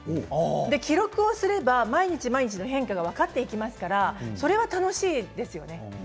記録すれば毎日毎日の変化が分かってきますからそれは楽しいですよね。